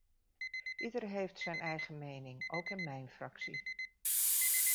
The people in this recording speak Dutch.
Ieder heeft zijn eigen mening, ook in mijn fractie.